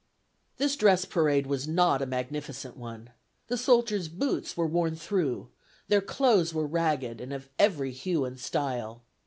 This "dress parade" was not a magnificent one. The soldiers' boots were worn through; their clothes were ragged, and of every hue and style.